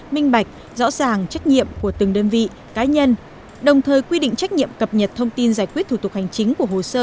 minh bạch rõ ràng trách nhiệm của từng đơn vị cá nhân đồng thời quy định trách nhiệm cập nhật thông tin giải quyết thủ tục hành chính của hồ sơ